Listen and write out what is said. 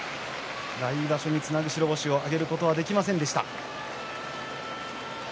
来場所につなぐ白星を挙げることができませんでした。